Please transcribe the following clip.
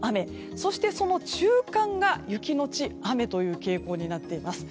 そして、その中間が雪のち雨という傾向になっています。